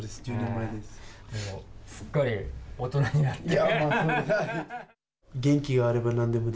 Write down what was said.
すっかり大人になって。